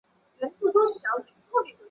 清代理学家。